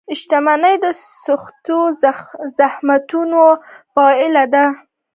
• شتمني د سختو زحمتونو پایله ده.